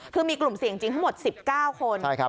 คือมีกลุ่มเสี่ยงจริงทั้งหมด๑๙คน